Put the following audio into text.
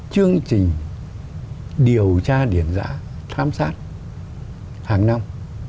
chương trình điều tra điển giã tham sát hàng năm